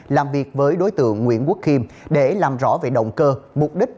làm việc với đối tượng nguyễn quốc khiêm để làm rõ về động cơ mục đích